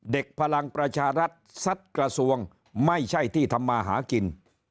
พลังประชารัฐซัดกระทรวงไม่ใช่ที่ทำมาหากิน